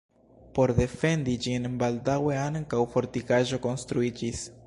Por defendi ĝin, baldaŭe ankaŭ fortikaĵo konstruiĝis.